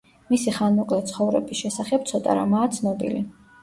მისი ხანმოკლე ცხოვრების შესახებ ცოტა რამაა ცნობილი.